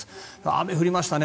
雨、降りましたね。